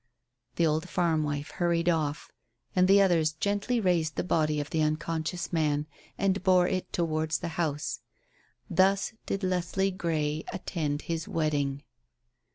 The old farm wife hurried off, and the others gently raised the body of the unconscious man and bore it towards the house. Thus did Leslie Grey attend his wedding.